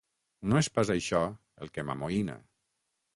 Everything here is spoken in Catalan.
No és pas això, el que m'amoïna.